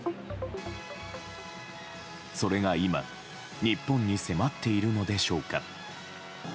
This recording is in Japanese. それが今日本に迫っているのでしょうか。